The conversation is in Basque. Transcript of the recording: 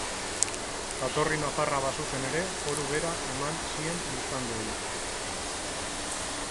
Jatorri nafarra bazuten ere, foru bera eman zien biztanleei.